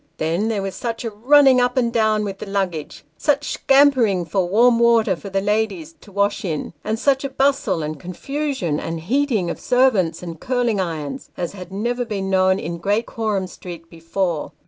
Then, there was such a running up and down with the luggage, such scampering for warm water for the ladies to wash in, and such a bustle, and confusion, and heating of servants, and curling irons, as had never been known in Great Coram Street before.